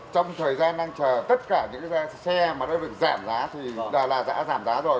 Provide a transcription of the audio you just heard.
trong thời gian đang chờ tất cả những xe mà đối với giảm giá thì đã giảm giá rồi